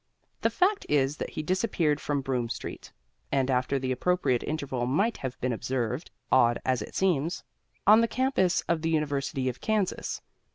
The fact is that he disappeared from Broome street, and after the appropriate interval might have been observed (odd as it seems) on the campus of the University of Kansas.